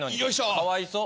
かわいそう。